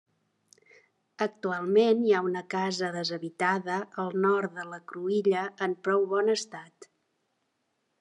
Actualment hi ha una casa deshabitada al nord de la cruïlla en prou bon estat.